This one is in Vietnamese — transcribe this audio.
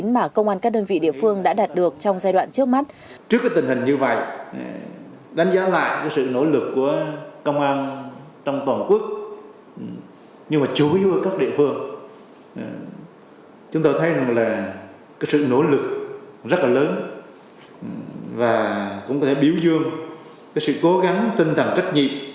mà công an các đơn vị địa phương đã đạt được trong giai đoạn trước mắt